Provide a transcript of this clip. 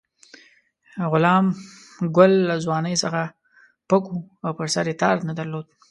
غلام ګل له ځوانۍ څخه پک وو او پر سر یې تار نه درلود.